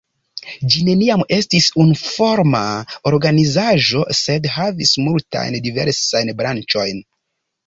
Ĝi neniam estis unuforma organizaĵo sed havis multajn diversajn branĉojn.